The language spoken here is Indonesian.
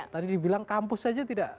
tadi dibilang kampus saja tidak